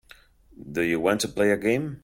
Do you want to play a game.